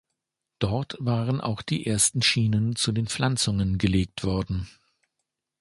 Dort waren auch die ersten Schienen zu den Pflanzungen gelegt worden.